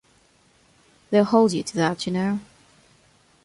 They'll hold you to that, you know.